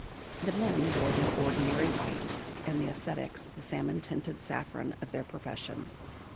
The men wore their ordinary white, and the ascetics the salmon tinted saffron of their profession.